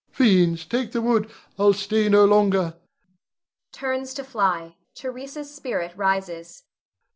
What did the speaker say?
Fiends take the wood! I'll stay no longer! [Turns to fly. Theresa's _spirit rises.